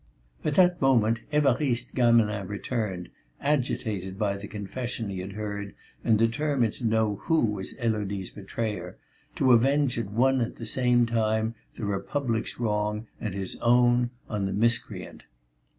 At that moment, Évariste Gamelin returned, agitated by the confession he had heard and determined to know who was Élodie's betrayer, to avenge at one and the same time the Republic's wrong and his own on the miscreant.